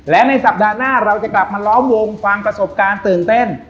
และในสัปดาห์หน้าเราจะกลับมาล้อมวงฟังประสบการณ์ตื่นเต้น